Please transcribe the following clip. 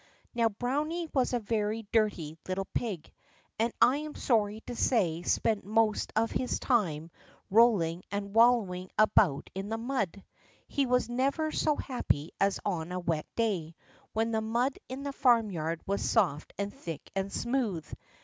Now, Browny was a very dirty little pig, and I am sorry to say spent most of his time rolling and wallowing about in the mud. He was never so happy as on a wet day, when the mud in the farmyard was soft and thick and smooth.